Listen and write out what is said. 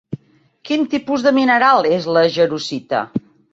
Quin tipus de mineral és la jarosita?